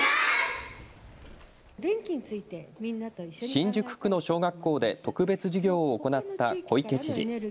新宿区の小学校で特別授業を行った小池知事。